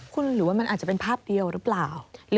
คุณหรือว่ามันอาจจะเป็นภาพเดียวหรือเปล่า